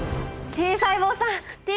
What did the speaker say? Ｔ細胞さん！